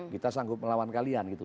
kita sanggup melawan kalian gitu